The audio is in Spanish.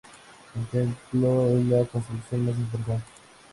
El templo es la construcción más importante.